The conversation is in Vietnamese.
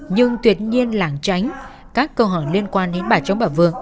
nhưng tuyệt nhiên lảng tránh các câu hỏi liên quan đến bà chóng bà vương